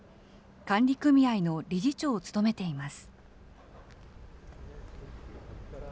管理組合の理事長を務めています。